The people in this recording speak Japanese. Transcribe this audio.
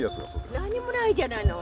何もないじゃないの！